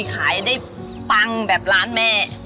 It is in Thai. ขายได้ปังแบบร้านแม่